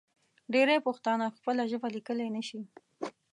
ډېری پښتانه خپله ژبه لیکلی نشي.